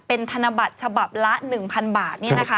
เป็นธนบัตรฉบับละ๑๐๐๐บาทเนี่ยนะคะ